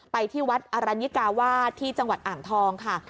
ไปที่วัดอรัญญิกาวาสที่จังหวัดอ่างทองค่ะ